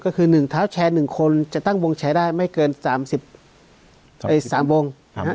ก็คือ๑เท้าแชร์๑คนจะตั้งวงแชร์ได้ไม่เกิน๓วง